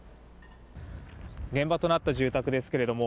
現場となった住宅ですけれども